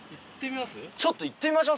行ってみます？